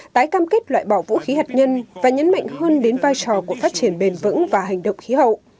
tái cam kết loại bỏ vũ khí hạt nhân và nhấn mạnh hơn đến vai trò của phát triển bền vững và hành động khí hậu